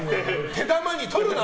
手玉に取るな！